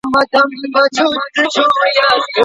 ساینس پوهنځۍ له اجازې پرته نه کارول کیږي.